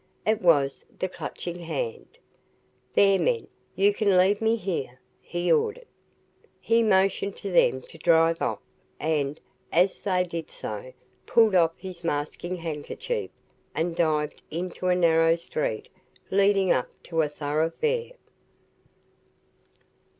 It was the Clutching Hand. "There, men, you can leave me here," he ordered. He motioned to them to drive off and, as they did so, pulled off his masking handkerchief and dived into a narrow street leading up to a thoroughfare.